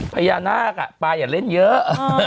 ภรรยานาคอ่ะป้าอย่าเล่นเยอะ